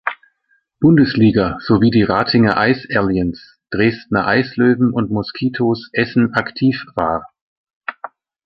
Bundesliga sowie die Ratinger Ice Aliens, Dresdner Eislöwen und Moskitos Essen aktiv war.